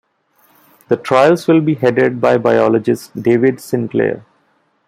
The trials will be headed by biologist David Sinclair.